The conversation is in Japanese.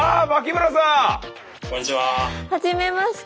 はじめまして。